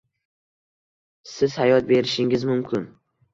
Siz hayot berishingiz mumkin.